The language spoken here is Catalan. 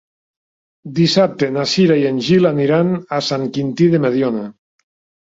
Dissabte na Cira i en Gil aniran a Sant Quintí de Mediona.